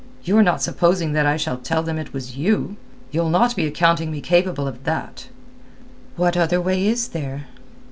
You're not supposing that I shall tell them it was you? You'll not be accounting me capable of that?" "What other way is there?"